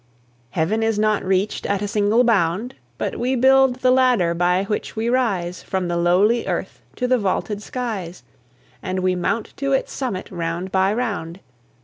Heaven is not reached at a single bound, But we build the ladder by which we rise From the lowly earth to the vaulted skies, And we mount to its summit round by round.